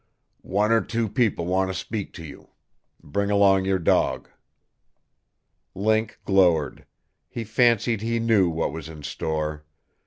"One or two people want to speak to you. Bring along your dog." Link glowered. He fancied he knew what was in store.